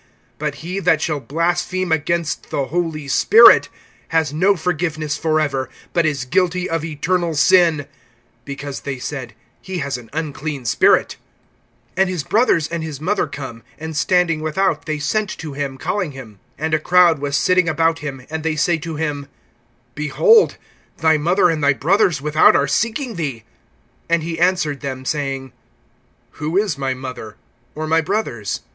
(29)But he that shall blaspheme against the Holy Spirit has no forgiveness forever, but is guilty of eternal sin; (30)because they said: He has an unclean spirit. (31)And his brothers and his mother come; and standing without they sent to him, calling him. (32)And a crowd was sitting about him; and they say to him: Behold, thy mother and thy brothers without are seeking thee. (33)And he answered them, saying: Who is my mother, or my brothers?